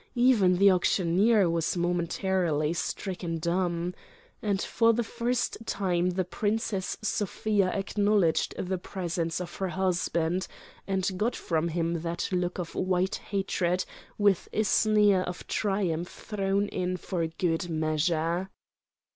Even the auctioneer was momentarily stricken dumb. And for the first time the Princess Sofia acknowledged the presence of her husband, and got from him that look of white hatred with a sneer of triumph thrown in for good measure.